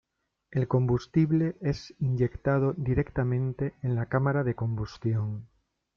El combustible es inyectado directamente en la cámara de combustión.